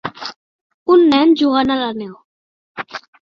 Un nen jugant a la neu.